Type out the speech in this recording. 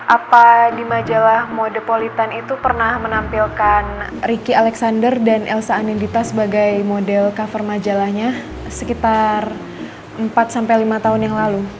apa di majalah mode politan itu pernah menampilkan ricky alexander dan elsa anindita sebagai model cover majalahnya sekitar empat sampai lima tahun yang lalu